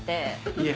いえ。